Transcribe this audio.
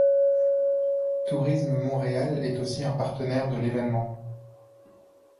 Tourisme Montréal est aussi un partenaire de l'événement.